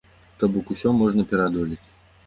То бок усё можна пераадолець.